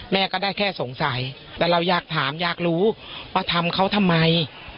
แม่ก็ได้แค่สงสัยแต่เราอยากถามอยากรู้ว่าทำเขาทำไม